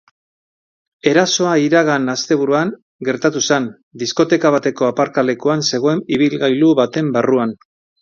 Erasoa iragan asteburuan gertatu zen, diskoteka bateko aparkalekuan zegoen ibilgailu baten barruan.